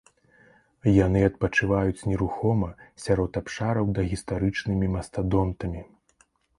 Яны адпачываюць нерухома сярод абшараў дагістарычнымі мастадонтамі.